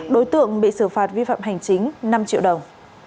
đối tượng bị xử phạt vi phạm hành chính năm triệu đồng